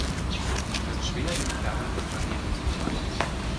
Es ist schwer, den Kern des Planeten zu erreichen.